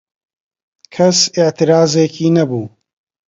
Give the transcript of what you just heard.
کەس ئێعترازێکی نەبوو